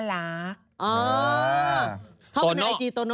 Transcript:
เข้ามันทางไอจีโตโน่